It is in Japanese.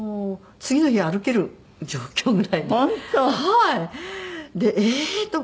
次の日歩ける状況ぐらいで。